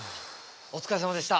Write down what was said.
お疲れさまでした。